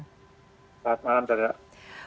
selamat malam tata